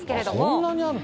そんなにあるの？